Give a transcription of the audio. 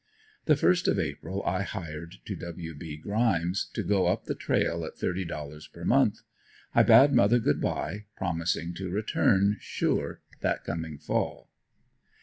The first of April I hired to W. B. Grimes to go "up the trail" at thirty dollars per month. I bade mother good bye, promising to return, sure, that coming fall.